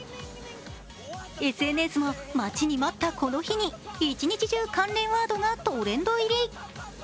ＳＮＳも待ちに待ったこの日に一日中、関連ワードがトレンド入り。